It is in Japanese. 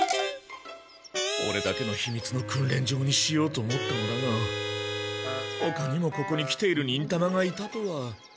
オレだけの秘密の訓練場にしようと思ったのだがほかにもここに来ている忍たまがいたとは。